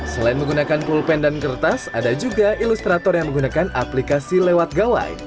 selain menggunakan pulpen dan kertas ada juga ilustrator yang menggunakan aplikasi lewat gawai